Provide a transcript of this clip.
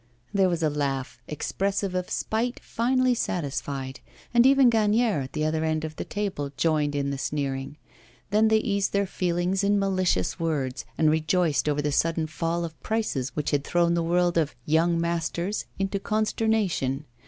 There was a laugh, expressive of spite finally satisfied, and even Gagnière at the other end of the table joined in the sneering. Then they eased their feelings in malicious words, and rejoiced over the sudden fall of prices which had thrown the world of 'young masters' into consternation.